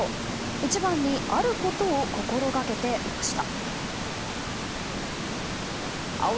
一番に、あることを心がけていました。